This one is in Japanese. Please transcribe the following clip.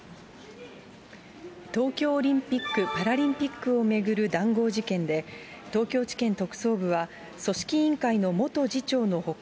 東京オリンピック・パラリンピックを巡る談合事件で、東京地検特捜部は、組織委員会の元次長のほか、